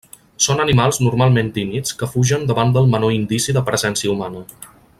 Són animals normalment tímids que fugen davant del menor indici de presència humana.